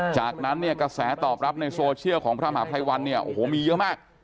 จากนั้นเนี่ยกระแสตอบรับในโซเชียลของพระมหาภัยวันเนี่ยโอ้โหมีเยอะมาก